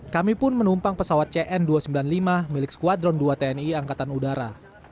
kami pun menumpang pesawat cn dua ratus sembilan puluh lima milik skuadron dua tni angkatan udara